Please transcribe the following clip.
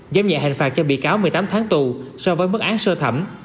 giám nhẹ hành phạt cho bị cáo một mươi tám tháng tù so với mức án sơ thẩm